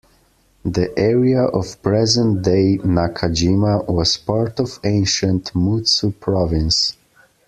The area of present-day Nakajima was part of ancient Mutsu Province.